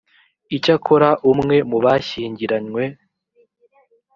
icyakora umwe mu bashyingiranywe